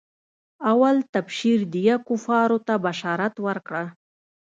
اول تبشير ديه کفارو ته بشارت ورکړه.